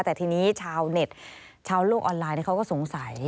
แต่ทีนี้ชาวเน็ตชาวโลกออนไลน์เขาก็สงสัย